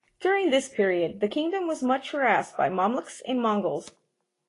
During this period, the kingdom was much harassed by Mamluks and Mongols.